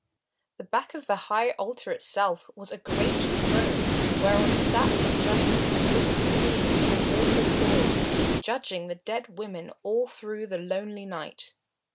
The back of the high altar itself was a great throne whereon sat in judgment a misty being of awful form, judging the dead women all through the lonely night.